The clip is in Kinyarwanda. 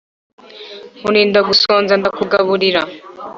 nkurinda gusonza ndakugaburira